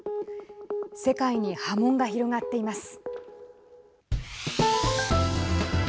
世界に波紋が広がっています。